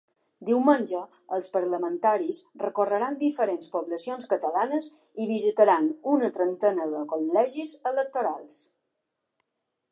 Diumenge, els parlamentaris recorreran diferents poblacions catalanes i visitaran una trentena de col·legis electorals.